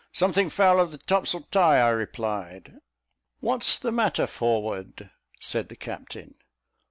"Something foul of the topsail tie," I replied. "What's the matter forward?" said the captain.